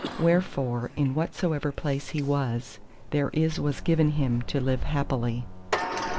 Wherefore in whatsoever place he was, there is was given him to live happily.